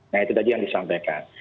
nah itu tadi yang disampaikan